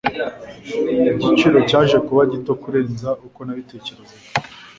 Igiciro cyaje kuba gito kurenza uko nabitekerezaga.